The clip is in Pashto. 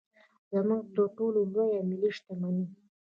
زموږ تر ټولو لویه ملي شتمني.